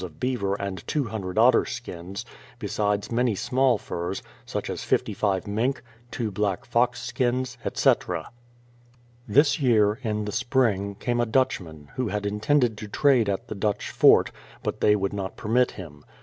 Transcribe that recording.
of beaver and 200 otter skins, besides many small furs, such as 55 mink, two black fox skins, etc. This year, in the Spring, came a Dutchman, who had intended to trade at the Dutch fort, but they would not permit him.